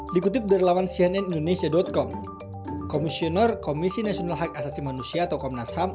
dikutip dari laman cnnindonesia com komisioner komisi nasional hak asasi manusia atau komnas ham